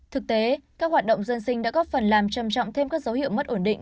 thực tế các hoạt động dân sinh đã góp phần làm trầm trọng thêm các dấu hiệu mất ổn định